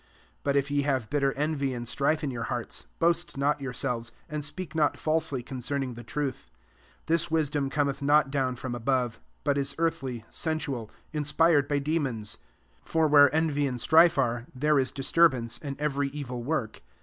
14 But if ye have bitter envy and strife in your hearts, boast not yourselves, and speak not false ly concerning the truth. 15 This wisdom Cometh not down fix)m above ; but ia earthly, sensual, inspired by demons. 16 For where envy and strife arcy there f> disturbance, and every evil work.